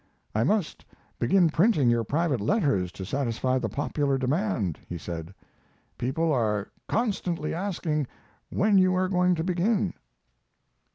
"I must begin printing your private letters to satisfy the popular demand," he said. "People are constantly asking when you are going to begin."